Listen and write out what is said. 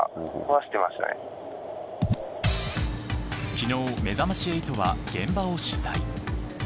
昨日めざまし８は現場を取材。